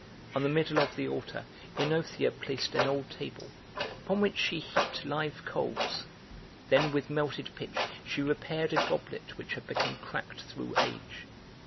On the middle of the altar OEnothea placed an old table, upon which she heaped live coals, then with melted pitch she repaired a goblet which had become cracked through age.